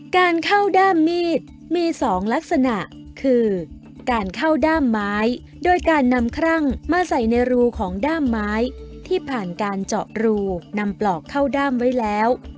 การเข้าด้ามมีดมี๒ลักษณะคือการเข้าด้ามไม้โดยการนำครั่งมาใส่ในรูของด้ามไม้ที่ผ่านการเจาะรูนำปลอกเข้าด้ามไว้แล้ว